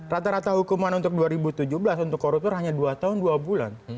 rata rata hukuman untuk dua ribu tujuh belas untuk koruptor hanya dua tahun dua bulan